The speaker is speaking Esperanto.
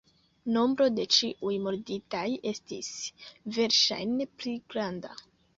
Nombro de ĉiuj murditaj estis verŝajne pli granda.